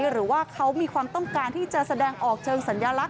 หรือว่าเขามีความต้องการที่จะแสดงออกเชิงสัญลักษณ